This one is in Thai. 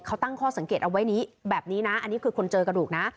เขาตั้งข้อสังเกตเอาไว้นี้แบบนี้นะอันนี้คือคนเจอกระดูกนะ